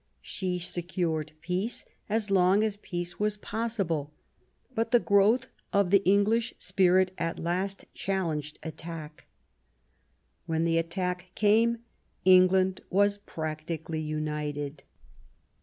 She secured peace as long as peace was possible ; but the growth of the English spirit at last challenged attack. When the attack came, England was practically united.